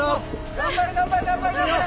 頑張れ頑張れ頑張れ頑張れ！